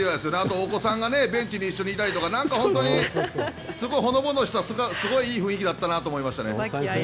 お子さんがベンチにいたりとか本当に、すごいほのぼのしたすごくいい雰囲気だったなと思いましたね。